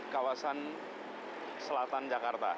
kawasan selatan jakarta